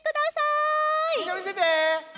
みんなみせて！